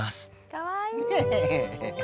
かわいい！